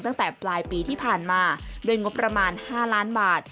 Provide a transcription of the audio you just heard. ตั้งแต่ปลายปีที่ผ่านมาด้วยงบประมาณ๕ล้านบาท